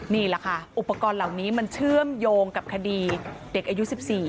นี่แหละค่ะอุปกรณ์เหล่านี้มันเชื่อมโยงกับคดีเด็กอายุ๑๔